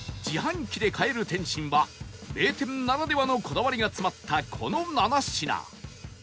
自販機で買える点心は名店ならではのこだわりが詰まったこの７品